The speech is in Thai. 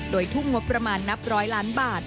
โดยทุ่มงบประมาณนับร้อยล้านบาท